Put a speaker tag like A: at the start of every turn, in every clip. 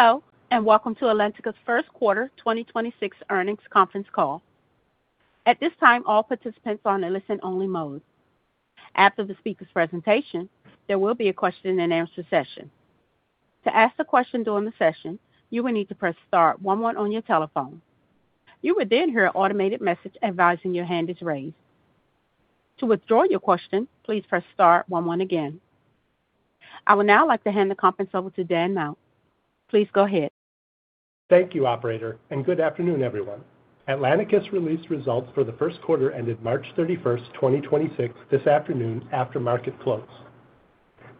A: Hello, and welcome to Atlanticus First Quarter 2026 Earnings Conference Call. At this time, all participants are on a listen-only mode. After the speaker's presentation, there will be a question and answer session. To ask a question during the session, you will need to press star one one on your telephone. You will then hear an automated message advising your hand is raised. To withdraw your question, please press star one one again. I would now like to hand the conference over to Dan Mauch. Please go ahead.
B: Thank you, operator. And good afternoon, everyone. Atlanticus' released results for the first quarter ended March 31st, 2026 this afternoon after market close.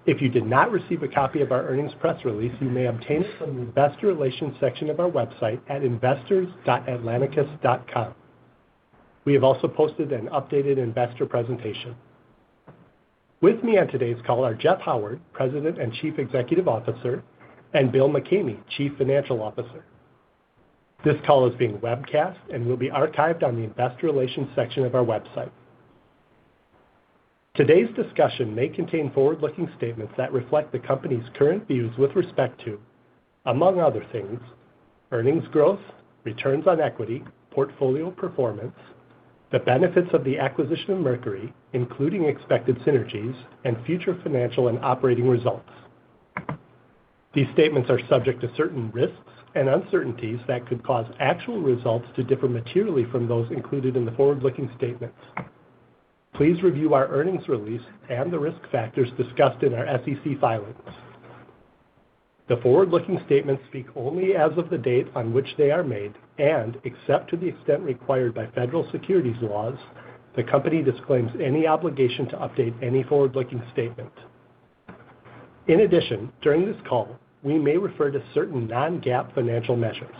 B: If you did not receive a copy of our earnings press release, you may obtain it from the investor relations section of our website at investors.atlanticus.com. We have also posted an updated investor presentation. With me on today's call are Jeff Howard, President and Chief Executive Officer, and Bill McCamey, Chief Financial Officer. This call is being webcast and will be archived on the investor relations section of our website. Today's discussion may contain forward-looking statements that reflect the company's current views with respect to, among other things, earnings growth, returns on equity, portfolio performance, the benefits of the acquisition of Mercury, including expected synergies and future financial and operating results. These statements are subject to certain risks and uncertainties that could cause actual results to differ materially from those included in the forward-looking statements. Please review our earnings release and the risk factors discussed in our SEC filings. The forward-looking statements speak only as of the date on which they are made, and except to the extent required by federal securities laws, the company disclaims any obligation to update any forward-looking statement. In addition, during this call, we may refer to certain non-GAAP financial measures.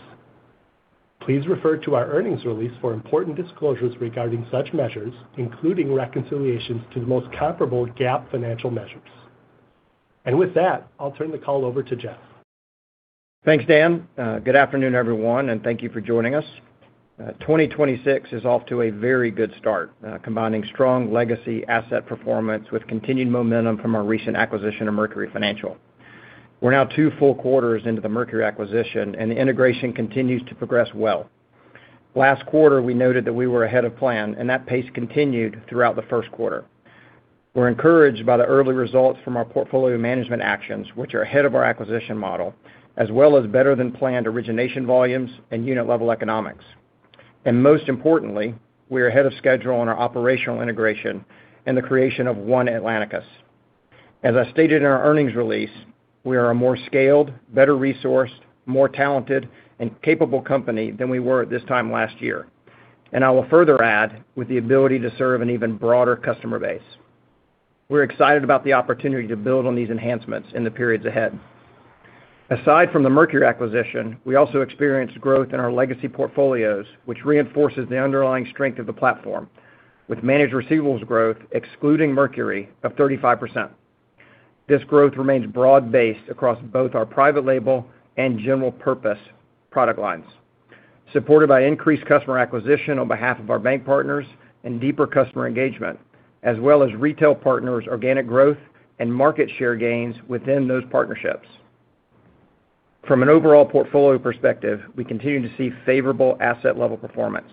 B: Please refer to our earnings release for important disclosures regarding such measures, including reconciliations to the most comparable GAAP financial measures. With that, I'll turn the call over to Jeff.
C: Thanks, Dan. Good afternoon, everyone, and thank you for joining us. A 2026 is off to a very good start, combining strong legacy asset performance with continued momentum from our recent acquisition of Mercury Financial. We're now two full quarters into the Mercury acquisition, and the integration continues to progress well. Last quarter, we noted that we were ahead of plan, and that pace continued throughout the first quarter. We're encouraged by the early results from our portfolio management actions, which are ahead of our acquisition model, as well as better than planned origination volumes and unit-level economics. And most importantly, we are ahead of schedule on our operational integration and the creation of one Atlanticus. As I stated in our earnings release, we are a more scaled, better resourced, more talented and capable company than we were at this time last year. I will further add with the ability to serve an even broader customer base. We're excited about the opportunity to build on these enhancements in the periods ahead. Aside from the Mercury acquisition, we also experienced growth in our legacy portfolios, which reinforces the underlying strength of the platform with managed receivables growth, excluding Mercury, of 35%. This growth remains broad-based across both our private label and general purpose product lines, supported by increased customer acquisition on behalf of our bank partners and deeper customer engagement, as well as retail partners' organic growth and market share gains within those partnerships. From an overall portfolio perspective, we continue to see favorable asset-level performance.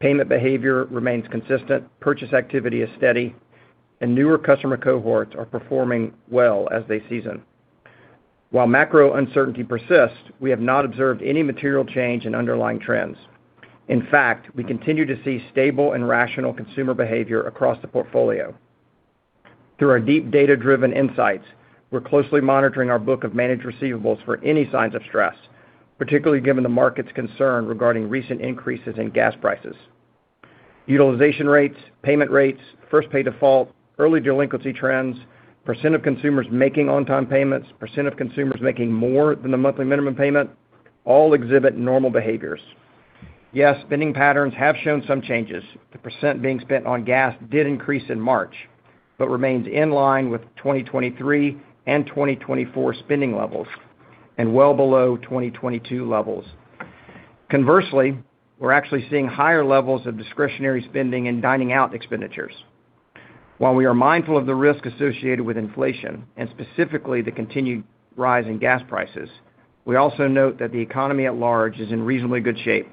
C: Payment behavior remains consistent, purchase activity is steady, and newer customer cohorts are performing well as they season. While macro uncertainty persists, we have not observed any material change in underlying trends. In fact, we continue to see stable and rational consumer behavior across the portfolio. Through our deep data-driven insights, we're closely monitoring our book of managed receivables for any signs of stress, particularly given the market's concern regarding recent increases in gas prices. Utilization rates, payment rates, first pay default, early delinquency trends, percent of consumers making on-time payments, percent of consumers making more than the monthly minimum payment, all exhibit normal behaviors. Yes, spending patterns have shown some changes. The percent being spent on gas did increase in March, remains in line with 2023 and 2024 spending levels, and well below 2022 levels. Conversely, we're actually seeing higher levels of discretionary spending and dining out expenditures. While we are mindful of the risk associated with inflation and specifically the continued rise in gas prices, we also note that the economy at large is in reasonably good shape.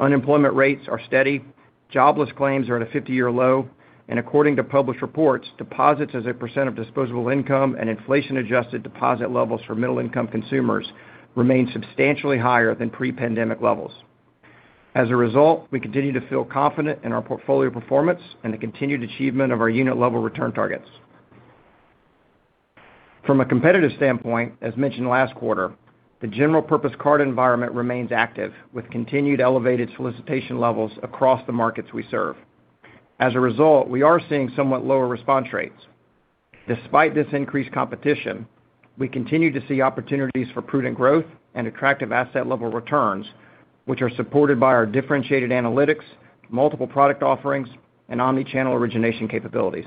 C: Unemployment rates are steady, jobless claims are at a 50-year low, according to published reports, deposits as a percent of disposable income and inflation-adjusted deposit levels for middle-income consumers remain substantially higher than pre-pandemic levels. As a result, we continue to feel confident in our portfolio performance and the continued achievement of our unit-level return targets. From a competitive standpoint, as mentioned last quarter, the general purpose card environment remains active with continued elevated solicitation levels across the markets we serve. We are seeing somewhat lower response rates. Despite this increased competition, we continue to see opportunities for prudent growth and attractive asset-level returns, which are supported by our differentiated analytics, multiple product offerings, and omnichannel origination capabilities.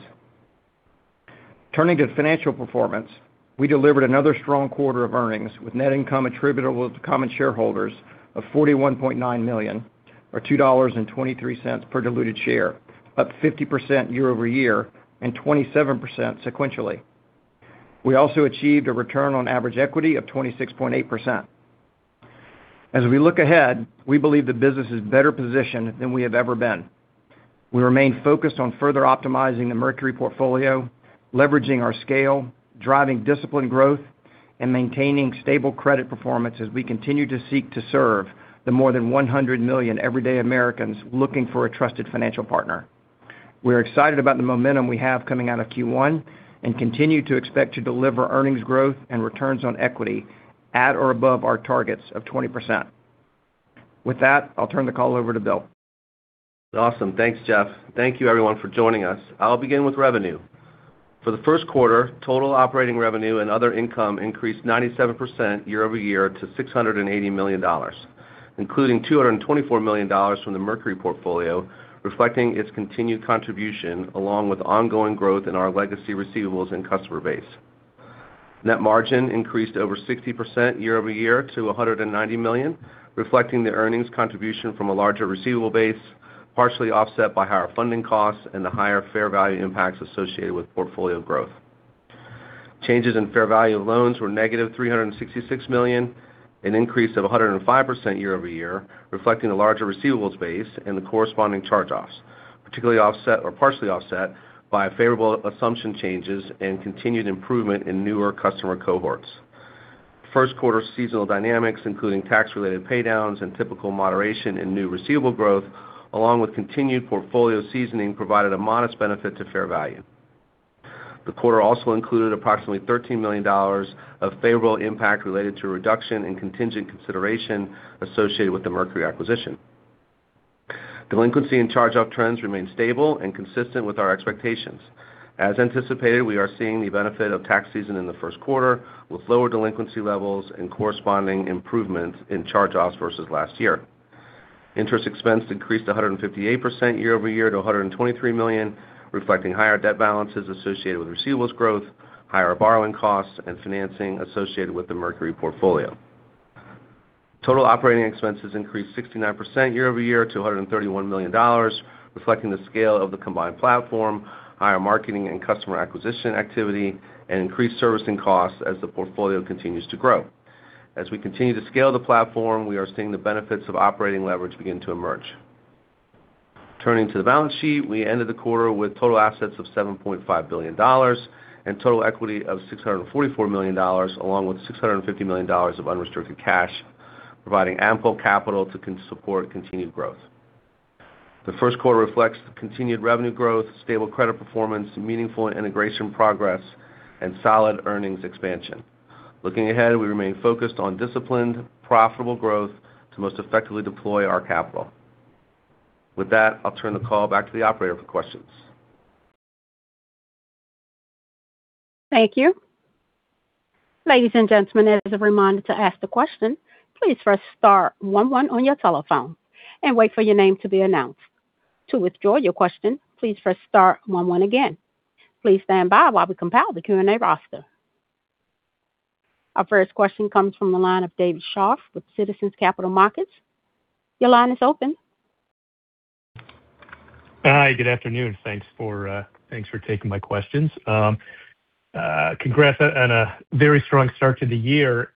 C: Turning to financial performance, we delivered another strong quarter of earnings with net income attributable to common shareholders of $41.9 million and $2.23 per diluted share, up 50% year-over-year and 27% sequentially. We also achieved a return on average equity of 26.8%. As we look ahead, we believe the business is better positioned than we have ever been. We remain focused on further optimizing the Mercury portfolio, leveraging our scale, driving disciplined growth, and maintaining stable credit performance as we continue to seek to serve the more than 100 million everyday Americans looking for a trusted financial partner. We're excited about the momentum we have coming out of Q1 and continue to expect to deliver earnings growth and returns on equity at or above our targets of 20%. With that, I'll turn the call over to Bill.
D: Awesome. Thanks, Jeff. Thank you everyone for joining us. I'll begin with revenue. For the first quarter, total operating revenue and other income increased 97% year-over-year to $680 million, including $224 million from the Mercury portfolio, reflecting its continued contribution along with ongoing growth in our legacy receivables and customer base. Net margin increased over 60% year-over-year to $190 million, reflecting the earnings contribution from a larger receivable base, partially offset by higher funding costs and the higher fair value impacts associated with portfolio growth. Changes in fair value loans were negative $366 million, an increase of 105% year-over-year, reflecting a larger receivables base and the corresponding charge-offs, particularly offset or partially offset by favorable assumption changes and continued improvement in newer customer cohorts. First quarter seasonal dynamics, including tax-related paydowns and typical moderation in new receivable growth, along with continued portfolio seasoning, provided a modest benefit to fair value. The quarter also included approximately $13 million of favorable impact related to reduction in contingent consideration associated with the Mercury acquisition. Delinquency and charge-off trends remain stable and consistent with our expectations. As anticipated, we are seeing the benefit of tax season in the first quarter with lower delinquency levels and corresponding improvements in charge-offs versus last year. Interest expense increased 158% year-over-year to $123 million, reflecting higher debt balances associated with receivables growth, higher borrowing costs, and financing associated with the Mercury portfolio. Total operating expenses increased 69% year-over-year to $131 million, reflecting the scale of the combined platform, higher marketing and customer acquisition activity, and increased servicing costs as the portfolio continues to grow. As we continue to scale the platform, we are seeing the benefits of operating leverage begin to emerge. Turning to the balance sheet, we ended the quarter with total assets of $7.5 billion and total equity of $644 million, along with $650 million of unrestricted cash, providing ample capital to support continued growth. The first quarter reflects the continued revenue growth, stable credit performance, meaningful integration progress, and solid earnings expansion. Looking ahead, we remain focused on disciplined, profitable growth to most effectively deploy our capital. With that, I'll turn the call back to the operator for questions.
A: Thank you. Ladies and gentlemen, as a reminder, to ask the question, please press star one one on your telephone and wait for your name to be announced. To withdraw your question, please press star one one again. Please stand by while we compile the Q&A roster. Our first question comes from the line of David Scharf with Citizens Capital Markets. Your line is open.
E: Hi. Good afternoon. Thanks for thanks for taking my questions. Congrats on a very strong start to the year.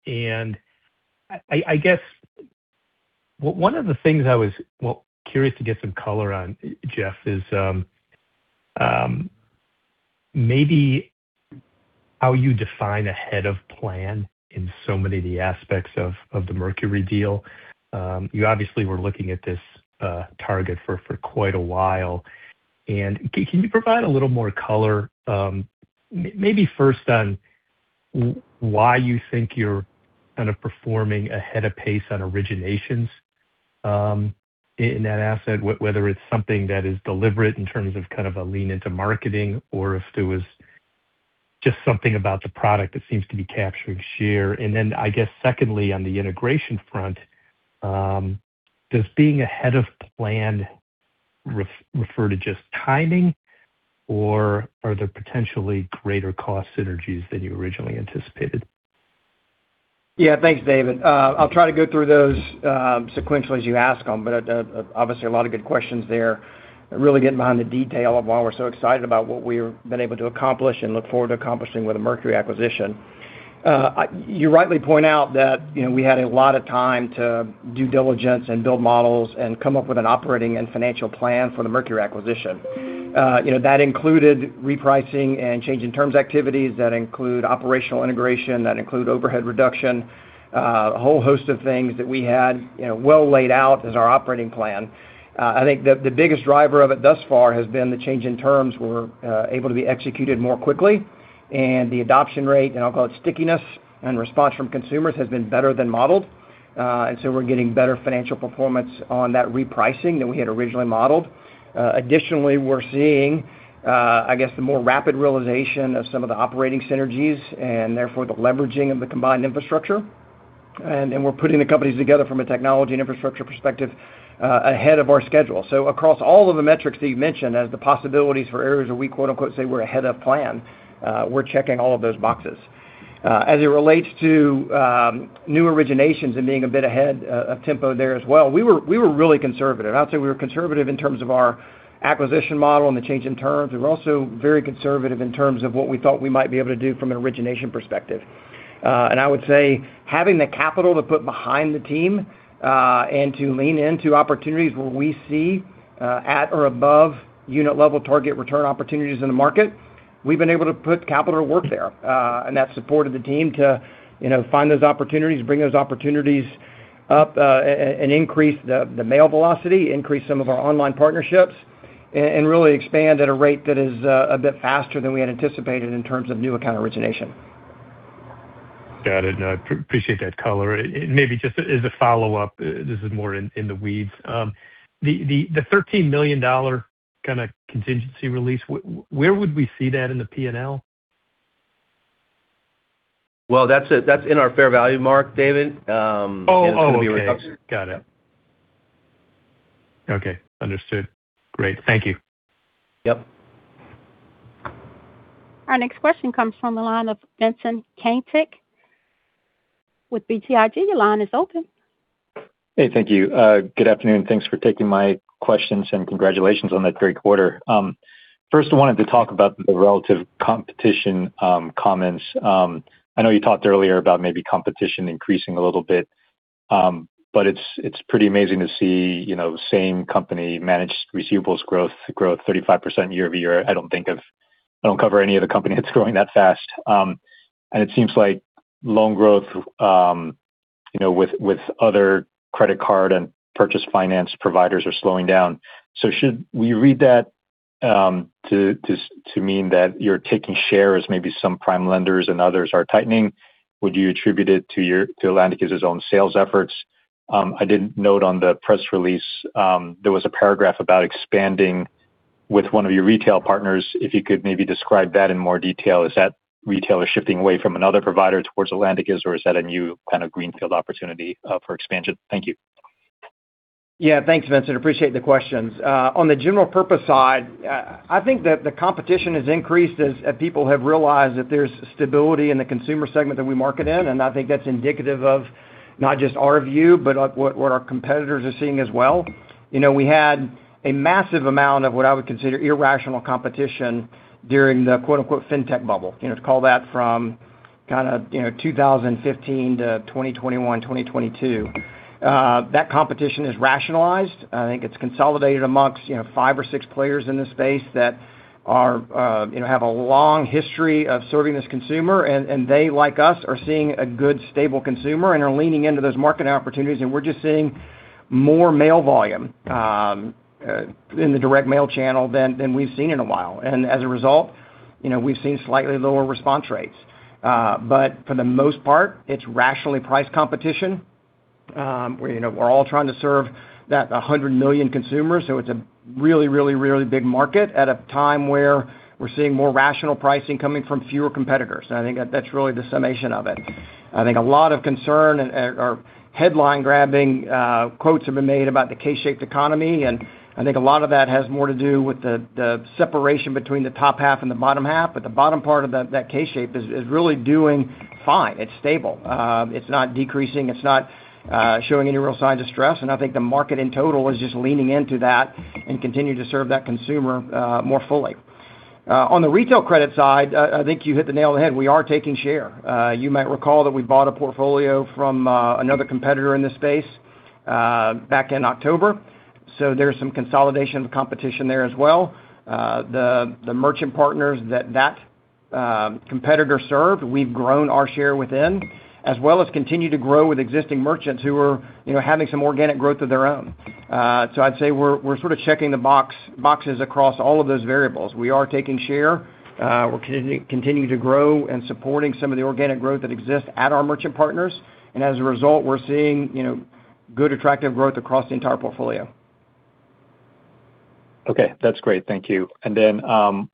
E: I guess, one of the things I was, well, curious to get some color on, Jeff, is maybe how you define ahead of plan in so many of the aspects of the Mercury deal? You obviously were looking at this target for quite a while. Can you provide a little more color, maybe first on why you think you're kind of performing ahead of pace on originations, in that asset, whether it's something that is deliberate in terms of kind of a lean into marketing or if there was just something about the product that seems to be capturing share? I guess secondly, on the integration front, does being ahead of plan refer to just timing, or are there potentially greater cost synergies than you originally anticipated?
C: Yeah. Thanks, David. I'll try to go through those sequentially as you ask them. Obviously, a lot of good questions there, really getting behind the detail of why we're so excited about what we've been able to accomplish and look forward to accomplishing with the Mercury acquisition. You rightly point out that, you know, we had a lot of time to due diligence and build models and come up with an operating and financial plan for the Mercury acquisition. You know, that included repricing and changing terms activities that include operational integration, that include overhead reduction, a whole host of things that we had, you know, well laid out as our operating plan. I think the biggest driver of it thus far has been the change in terms were able to be executed more quickly, and the adoption rate, and I'll call it stickiness and response from consumers, has been better than modeled. We're getting better financial performance on that repricing than we had originally modeled. Additionally, we're seeing, I guess, the more rapid realization of some of the operating synergies, and therefore the leveraging of the combined infrastructure. We're putting the companies together from a technology and infrastructure perspective, ahead of our schedule. Across all of the metrics that you've mentioned as the possibilities for areas where we, quote-unquote, say we're ahead of plan, we're checking all of those boxes. As it relates to new originations and being a bit ahead of tempo there as well, we were really conservative. I'd say we were conservative in terms of our acquisition model and the change in terms. We were also very conservative in terms of what we thought we might be able to do from an origination perspective. I would say having the capital to put behind the team and to lean into opportunities where we see at or above unit level target return opportunities in the market, we've been able to put capital to work there. That supported the team to, you know, find those opportunities, bring those opportunities up, and increase the mail velocity, increase some of our online partnerships, and really expand at a rate that is a bit faster than we had anticipated in terms of new account origination.
E: Got it. No, appreciate that color. Maybe just as a follow-up, this is more in the weeds. The $13 million kind of contingency release, where would we see that in the P&L?
C: Well, that's in our fair value mark, David.
E: Oh. Okay. Got it.
C: [inaudible]
E: Okay. Understood. Great. Thank you.
C: Yep.
A: Our next question comes from the line of Vincent Caintic with BTIG. Your line is open.
F: Hey, thank you. Good afternoon. Thanks for taking my questions. Congratulations on that great quarter. First, I wanted to talk about the relative competition, comments. I know you talked earlier about maybe competition increasing a little bit. It's pretty amazing to see, you know, same company managed receivables growth 35% year-over-year. I don't think of, I don't cover any other company that's growing that fast. It seems like loan growth, you know, with other credit card and purchase finance providers are slowing down. Should we read that, to mean that you're taking shares, maybe some prime lenders and others are tightening? Would you attribute it to Atlanticus own sales efforts? I did note on the press release, there was a paragraph about expanding with one of your retail partners. If you could maybe describe that in more detail? Is that retailer shifting away from another provider towards Atlanticus, or is that a new kind of greenfield opportunity for expansion? Thank you.
C: Thanks, Vincent. Appreciate the questions. On the general purpose side, I think that the competition has increased as people have realized that there's stability in the consumer segment that we market in, and I think that's indicative of not just our view, but, like, what our competitors are seeing as well. You know, we had a massive amount of what I would consider irrational competition during the quote, unquote, fintech bubble. You know, to call that from 2015-2021, 2022. That competition is rationalized. I think it's consolidated amongst, you know, five or six players in this space that are, have a long history of serving this consumer. They, like us, are seeing a good, stable consumer and are leaning into those market opportunities. We're just seeing more mail volume in the direct mail channel than we've seen in a while. As a result, you know, we've seen slightly lower response rates. For the most part, it's rationally priced competition. We, you know, we're all trying to serve that a hundred million consumers, it's a really, really, really big market at a time where we're seeing more rational pricing coming from fewer competitors. I think that's really the summation of it. I think a lot of concern, headline-grabbing quotes have been made about the K-shaped economy, I think a lot of that has more to do with the separation between the top half and the bottom half. The bottom part of that K-shaped is really doing fine. It's stable. It's not decreasing. It's not showing any real signs of stress. I think the market in total is just leaning into that and continue to serve that consumer more fully. On the retail credit side, I think you hit the nail on the head. We are taking share. You might recall that we bought a portfolio from another competitor in this space back in October. There's some consolidation competition there as well. The merchant partners that competitor served, we've grown our share within, as well as continue to grow with existing merchants who are, you know, having some organic growth of their own. I'd say we're sort of checking the boxes across all of those variables. We are taking share. We're continuing to grow and supporting some of the organic growth that exists at our merchant partners. As a result, we're seeing, you know, good, attractive growth across the entire portfolio.
F: Okay. That's great. Thank you. And then,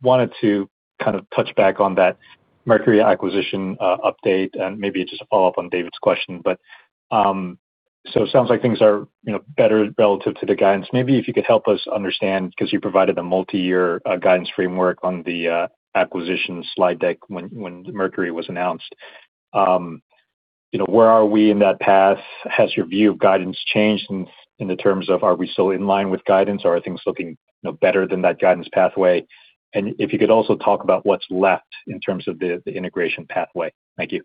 F: wanted to kind of touch back on that Mercury acquisition update, and maybe just follow up on David's question. But, so it sounds like things are, you know, better relative to the guidance. Maybe if you could help us understand, because you provided a multi-year guidance framework on the acquisition slide deck when Mercury was announced. You know, where are we in that path? Has your view of guidance changed in the terms of are we still in line with guidance, or are things looking, you know, better than that guidance pathway? If you could also talk about what's left in terms of the integration pathway. Thank you.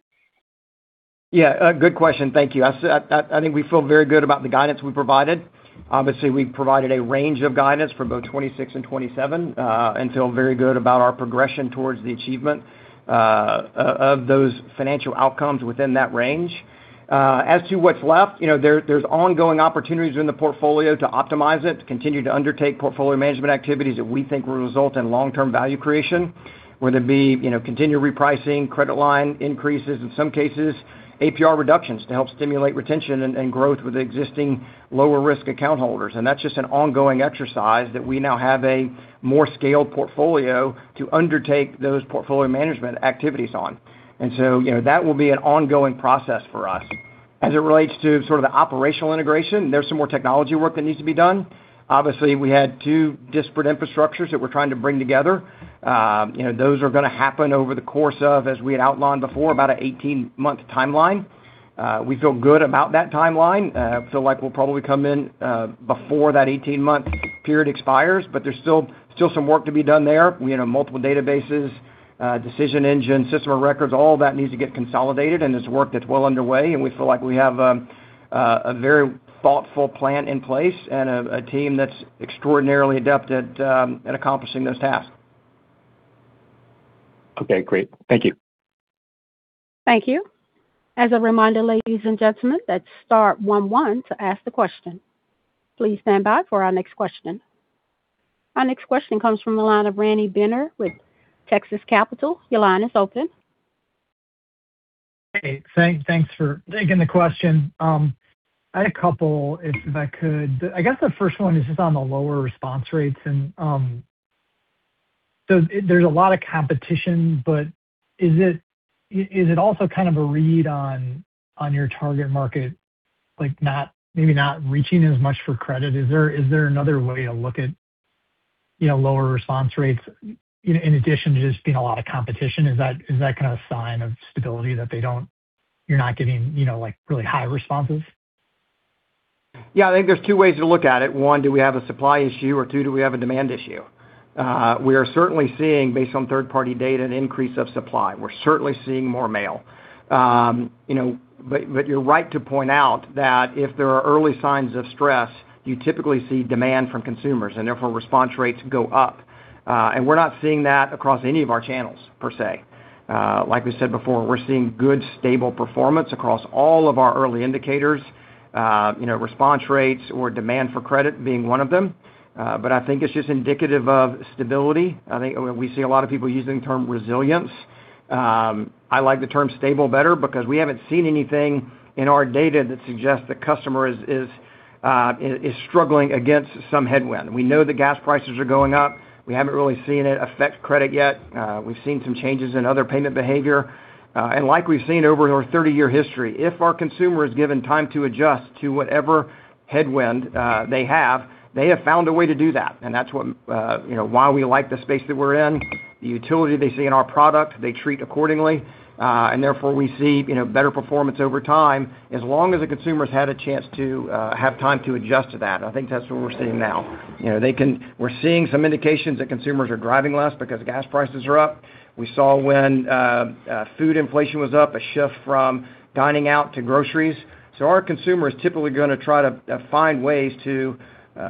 C: Yeah, a good question. Thank you, I think we feel very good about the guidance we provided. Obviously, we provided a range of guidance for both 26 and 27 and feel very good about our progression towards the achievement of those financial outcomes within that range. As to what's left, you know, there's ongoing opportunities in the portfolio to optimize it, to continue to undertake portfolio management activities that we think will result in long-term value creation, whether it be, you know, continued repricing, credit line increases, in some cases, APR reductions to help stimulate retention and growth with existing lower-risk account holders. That's just an ongoing exercise that we now have a more scaled portfolio to undertake those portfolio management activities on. And so, you know, that will be an ongoing process for us. As it relates to sort of the operational integration, there's some more technology work that needs to be done. Obviously, we had two disparate infrastructures that we're trying to bring together. You know, those are going to happen over the course of, as we had outlined before, about a 18-month timeline. We feel good about that timeline. Feel like we'll probably come in before that 18-month period expires, but there's still some work to be done there. You know, multiple databases, decision engine, system of records, all that needs to get consolidated, and it's work that's well underway, and we feel like we have a very thoughtful plan in place and a team that's extraordinarily adept at accomplishing those tasks.
F: Okay, great. Thank you.
A: Thank you. As a reminder, ladies and gentlemen, that's star one one to ask the question. Please stand by for our next question. Our next question comes from the line of Randy Binner with Texas Capital. Your line is open.
G: Thanks for taking the question. I had a couple, if I could. I guess, the first one is just on the lower response rates. There's a lot of competition, but is it also kind of a read on your target market, like not, maybe not reaching as much for credit? Is there another way to look at, you know, lower response rates in addition to just seeing a lot of competition? Is that kind of a sign of stability that they don't? You're not getting, you know, like, really high responses?
C: Yeah, I think there's two ways to look at it. One, do we have a supply issue, or two, do we have a demand issue? We are certainly seeing, based on third-party data, an increase of supply. We're certainly seeing more mail. You know, you're right to point out that if there are early signs of stress, you typically see demand from consumers, and therefore response rates go up. We're not seeing that across any of our channels per se. Like we said before, we're seeing good, stable performance across all of our early indicators, you know, response rates or demand for credit being one of them. I think it's just indicative of stability. I think we see a lot of people using the term resilience. I like the term stable better because we haven't seen anything in our data that suggests the customer is struggling against some headwind. We know the gas prices are going up. We haven't really seen it affect credit yet. We've seen some changes in other payment behavior. Like we've seen over our 30-year history, if our consumer is given time to adjust to whatever headwind, they have. They have found a way to do that. That's what, you know, why we like the space that we're in. The utility they see in our product, they treat accordingly. Therefore, we see, you know, better performance over time, as long as the consumer's had a chance to have time to adjust to that. I think that's what we're seeing now. You know, they can—we're seeing some indications that consumers are driving less because gas prices are up. We saw when food inflation was up, a shift from dining out to groceries. Our consumer is typically gonna try to find ways to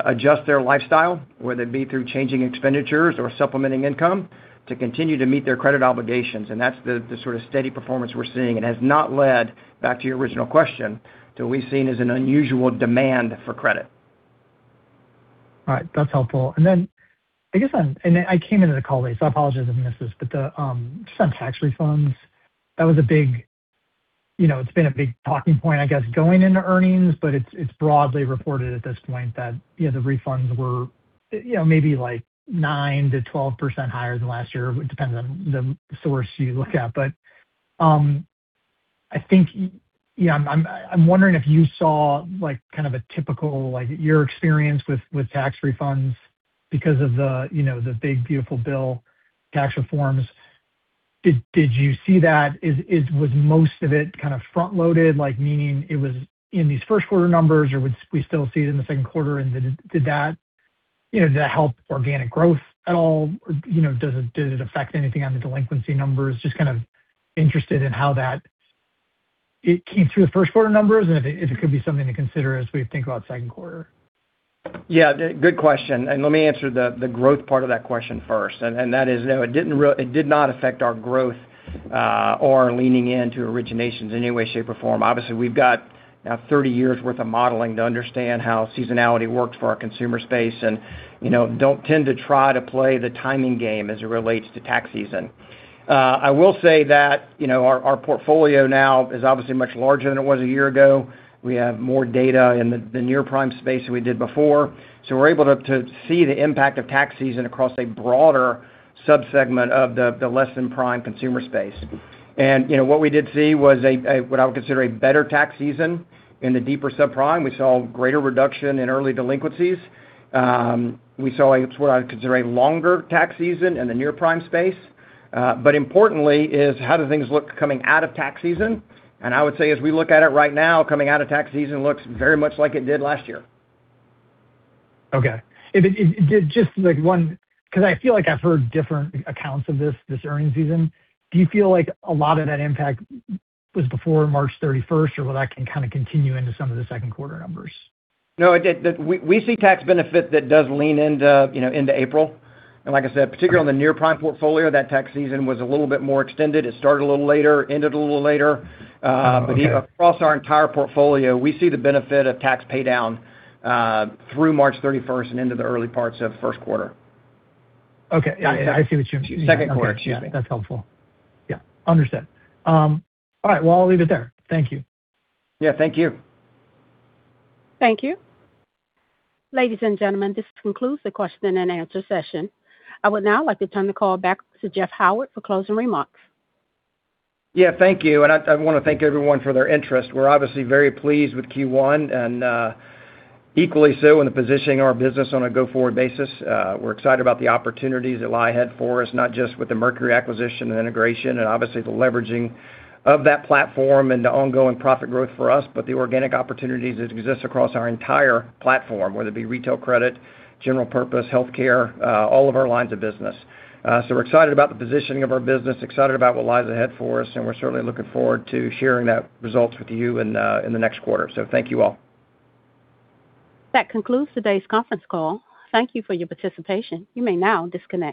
C: adjust their lifestyle, whether it be through changing expenditures or supplementing income, to continue to meet their credit obligations. That's the sort of steady performance we're seeing and has not led, back to your original question, to what we've seen as an unusual demand for credit.
G: All right. That's helpful. I guess, and then, I came into the call late, so I apologize if I missed this, but just on tax refunds, that was a big, you know, it's been a big talking point, I guess, going into earnings, but it's broadly reported at this point that, you know, the refunds were, you know, maybe like 9%-12% higher than last year. It depends on the source you look at. I think, yeah, I'm wondering if you saw like kind of a typical, like your experience with tax refunds because of the, you know, the Big Beautiful Bill tax reforms. Did you see that? Was most of it kind of front-loaded, like meaning it was in these first quarter numbers or would we still see it in the second quarter? Did that, you know, did that help organic growth at all? You know, did it affect anything on the delinquency numbers? Just kind of interested in how that came through the first quarter numbers, and if it could be something to consider as we think about second quarter?
C: Yeah, good question. Let me answer the growth part of that question first. That is, you know, it did not affect our growth or leaning into originations in any way, shape, or form. Obviously, we've got now 30 years' worth of modeling to understand how seasonality works for our consumer space and, you know, don't tend to try to play the timing game as it relates to tax season. I will say that, you know, our portfolio now is obviously much larger than it was a year ago. We have more data in the near-prime space than we did before. We're able to see the impact of tax season across a broader subsegment of the less than prime consumer space. You know, what we did see was what I would consider a better tax season in the deeper subprime. We saw greater reduction in early delinquencies. We saw it's what I would consider a longer tax season in the near-prime space. Importantly is how do things look coming out of tax season? I would say, as we look at it right now, coming out of tax season looks very much like it did last year.
G: Okay. Just like one, because I feel like I've heard different accounts of this earnings season. Do you feel like a lot of that impact was before March 31st, or will that can kind of continue into some of the second quarter numbers?
C: No, we see tax benefit that does lean into, you know, into April. Like I said, particularly on the near-prime portfolio, that tax season was a little bit more extended. It started a little later, ended a little later.
G: Okay.
C: Across our entire portfolio, we see the benefit of tax pay down through March 31st and into the early parts of first quarter.
G: Okay. Yeah, I see what you're-
C: Second quarter, excuse me.
G: That's helpful. Yeah. Understood. All right, well, I'll leave it there. Thank you.
C: Yeah, thank you.
A: Thank you. Ladies and gentlemen, this concludes the question and answer session. I would now like to turn the call back to Jeff Howard for closing remarks.
C: Thank you. I want to thank everyone for their interest. We're obviously very pleased with Q1 and equally so in the positioning of our business on a go-forward basis. We're excited about the opportunities that lie ahead for us, not just with the Mercury acquisition and integration and obviously the leveraging of that platform and the ongoing profit growth for us, but the organic opportunities that exist across our entire platform, whether it be retail credit, general purpose, healthcare, all of our lines of business. We're excited about the positioning of our business, excited about what lies ahead for us, and we're certainly looking forward to sharing that results with you in the next quarter. Thank you all.
A: That concludes today's conference call. Thank you for your participation. You may now disconnect.